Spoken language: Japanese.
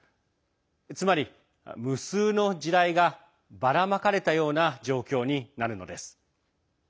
つまり、無数の地雷がばらまかれたような状況になるのです。